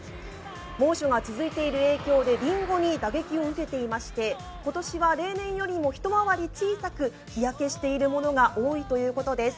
猛暑が続いている影響で、りんごに打撃を受けていまして、今年は例年よりも一回り小さく、日焼けしているものが多いということです。